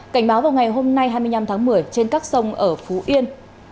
cảnh báo vào ngày hôm nay hai mươi năm tháng một mươi trên các sông ở phú yên